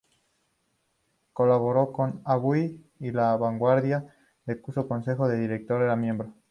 Colaboró en "Avui" y "La Vanguardia", de cuyo consejo de dirección era miembro.